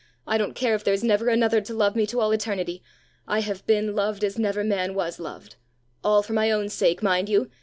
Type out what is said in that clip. I don't care if there's never another to love me to all eternity! I have been loved as never man was loved! All for my own sake, mind you!